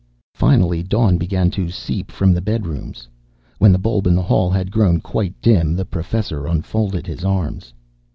Finally dawn began to seep from the bedrooms. When the bulb in the hall had grown quite dim, the Professor unfolded his arms.